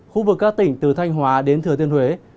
khu vực các tỉnh từ thanh hóa đến thừa tiên huế